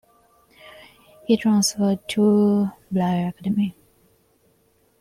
He transferred to Blair Academy.